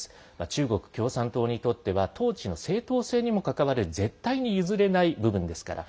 中国共産党にとっては統治の正当性にも関わる絶対に譲れない部分ですから。